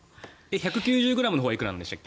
１９０ｇのほうはいくらなんでしたっけ？